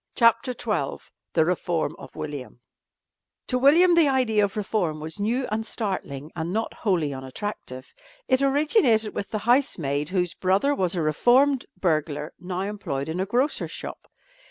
CHAPTER XII THE REFORM OF WILLIAM To William the idea of reform was new and startling and not wholly unattractive. It originated with the housemaid whose brother was a reformed burglar now employed in a grocer's shop.